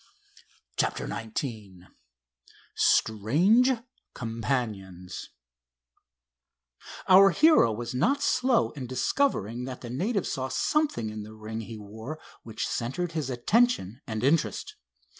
CHAPTER XIX STRANGE COMPANIONS Our hero was not slow in discovering that the native saw something in the ring he wore which centered his attention and interest.